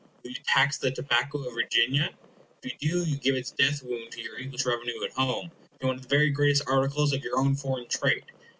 Will you tax the tobacco of Virginia? If you do, you give its death wound to your English revenue at home, and to one of the very greatest articles of your own foreign trade.